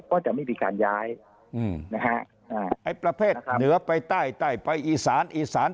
ก็จะไม่มีการย้ายอืมนะฮะอ่าไอ้ประเภทเหนือไปใต้ไอสาน